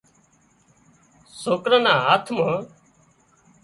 سوڪران نا هاٿ مان